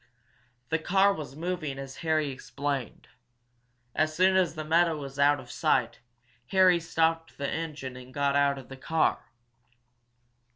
The car was moving as Harry explained. As soon as the meadow was out of sight, Harry stopped the engine and got out of the car.